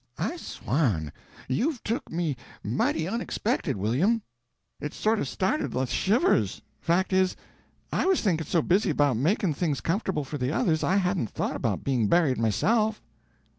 "I swan, you've took me mighty unexpected, William! It sort of started the shivers. Fact is, I was thinkin' so busy about makin' things comfortable for the others, I hadn't thought about being buried myself."